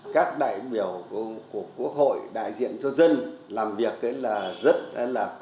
các đại biểu của quốc hội đại diện cho dân làm việc rất là có trách nhiệm